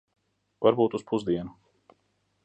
Varbūt uz pusdienu.